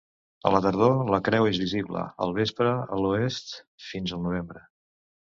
A la tardor, la creu és visible al vespre a l'oest fins al novembre.